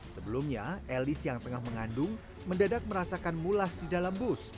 sebelumnya elis yang tengah mengandung mendadak merasakan mulas di dalam bus